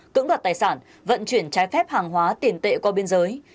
cưỡng đoạt tài sản vận chuyển trái phép hàng hóa tiền tệ qua biên giới